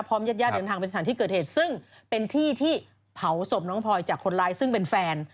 ญาติญาติเดินทางไปสถานที่เกิดเหตุซึ่งเป็นที่ที่เผาศพน้องพลอยจากคนร้ายซึ่งเป็นแฟน